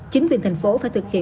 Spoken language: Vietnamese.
chính quyền thành phố phải thực hiện